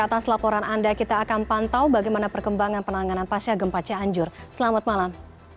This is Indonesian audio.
atas laporan anda kita akan pantau bagaimana perkembangan penanganan pasca gempa cianjur selamat malam